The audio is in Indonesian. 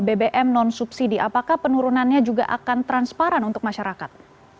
bbm non subsidi apakah penurunannya juga akan transparan untuk masyarakat